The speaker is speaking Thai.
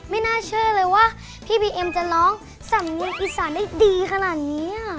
ไม่น่าเชื่อเลยว่าพี่บีเอ็มจะร้องสำเนียงอีสานได้ดีขนาดนี้